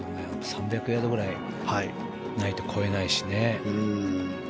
３００ヤードくらいないと越えないしね。